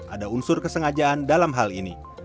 ada unsur kesengajaan dalam hal ini